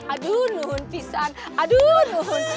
aduh nuhun pisan aduh nuhun